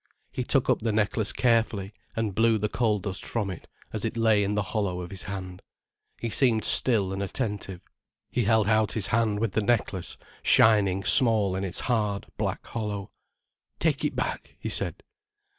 He took up the necklace carefully, and blew the coal dust from it, as it lay in the hollow of his hand. He seemed still and attentive. He held out his hand with the necklace shining small in its hard, black hollow. "Take it back," he said.